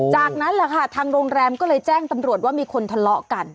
จากนั้นแหละค่ะทางโรงแรมก็เลยแจ้งตำรวจว่ามีคนทะเลาะกัน